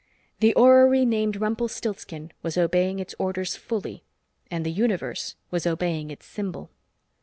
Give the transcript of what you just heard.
The orrery named Rumpelstilsken was obeying its orders fully, and the universe was obeying its symbol.